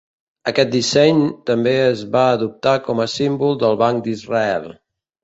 Aquest disseny també es va adoptar com a símbol del Banc d'Israel.